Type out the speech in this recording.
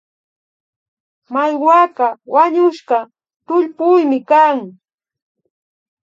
Maiwaka wañushka tullpuymi kan